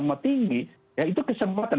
sama tinggi ya itu kesempatan